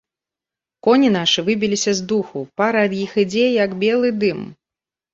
Коні нашы выбіліся з духу, пара ад іх ідзе, як белы дым.